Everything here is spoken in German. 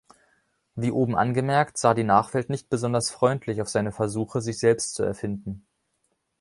Wie oben angemerkt sah die Nachwelt nicht besonders freundlich auf seine Versuche, sich selbst zu erfinden.